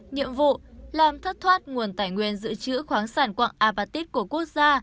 nhiệm vụ làm thất thoát nguồn tài nguyên giữ chữ khoáng sản quạng apatit của quốc gia